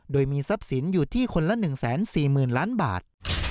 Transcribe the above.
โดยมีทรัพย์สินอยู่ที่คนละ๑๔๐๐๐ล้านบาท